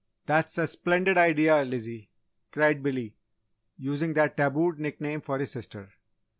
"That is a splendid idea, Lizzie!" cried Billy, using that tabooed nickname for his sister.